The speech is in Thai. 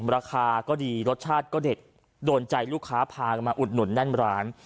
ราคาก็ดีรสชาติก็เด็ดโดนใจลูกค้าพากันมาอุดหนุนแน่นร้าน